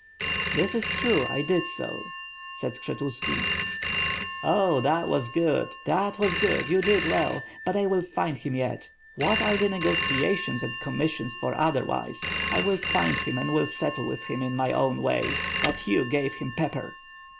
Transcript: "That is true, I did so," said Skshetuski. "Oh that was good, that was good, you did well; but I will find him yet. What are the negotiations and commissions for, otherwise. I will find him and will settle with him in my own way. But you gave him pepper."